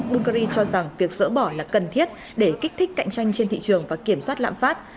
bulgari cho rằng việc dỡ bỏ là cần thiết để kích thích cạnh tranh trên thị trường và kiểm soát lãm phát